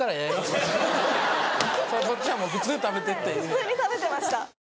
普通に食べてました。